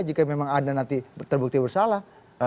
jika memang anda nanti terbukti bersalah